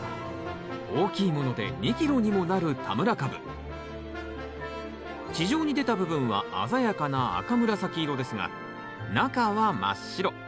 大きいもので２キロにもなる地上に出た部分は鮮やかな赤紫色ですが中は真っ白。